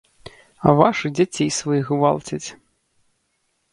А вашы дзяцей сваіх гвалцяць.